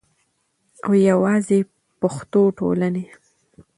او یواځی پښتو ټولنې